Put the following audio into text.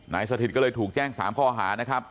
สถิตก็เลยถูกแจ้ง๓ข้อหานะครับ